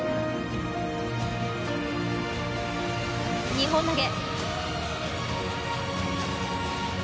２本投げ。